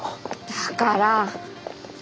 だから！